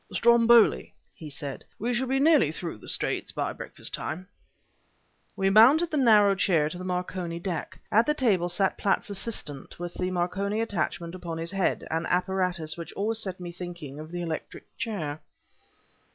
"Stromboli," he said; "we shall be nearly through the Straits by breakfast time." We mounted the narrow stair to the Marconi deck. At the table sat Platts' assistant with the Marconi attachment upon his head an apparatus which always set me thinking of the electric chair.